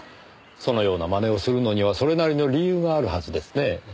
そのような真似をするのにはそれなりの理由があるはずですね。